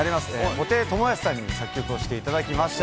布袋寅泰さんに作曲をしていただきました。